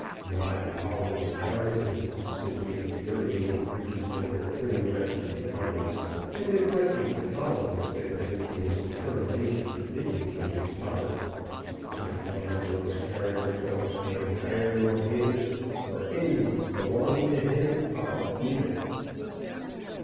"My Polly's character!" said the infuriated breeches maker, turning round to the audience, and neglecting to follow his victim in his determination to vindicate his daughter. "If my girl's character don't stand higher nor his or any one's belonging to him I'll eat it!"